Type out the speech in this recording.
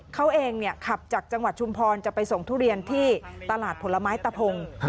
เขาเองขับจากจังหวัดชุมพรจะไปส่งทุเรียนที่ตลาดผลไม้ตะพง